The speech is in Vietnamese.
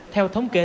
theo thống kê